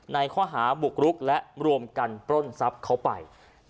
ในข้อหาบุกรุกและรวมกันปล้นทรัพย์เขาไป